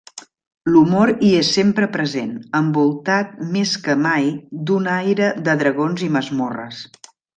L'humor hi és sempre present, envoltat més que mai d'un aire de Dragons i Masmorres.